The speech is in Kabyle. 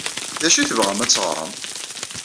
D acu i tebɣam ad teɣṛem?